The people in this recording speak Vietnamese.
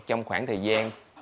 trong khoảng thời gian